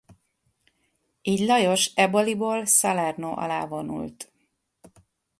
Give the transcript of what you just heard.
Így Lajos Eboliból Salerno alá vonult.